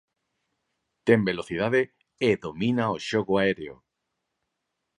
Ten velocidade e domina o xogo aéreo.